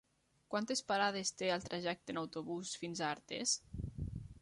Quantes parades té el trajecte en autobús fins a Artés?